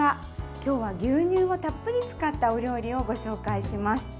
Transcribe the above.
今日は牛乳をたっぷり使ったお料理をご紹介します。